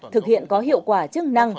thực hiện có hiệu quả chức năng